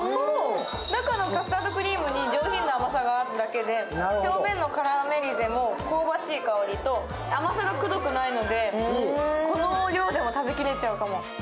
中のカスタードクリームに上品な甘さがあるだけで、表面のキャラメリゼも香ばしい香りと、甘さがくどくないのでこの量でも食べ切れちゃうかも。